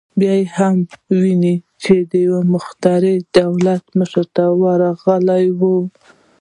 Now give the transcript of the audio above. بیا هم وینو چې یو مخترع دولت مشر ته ورغلی و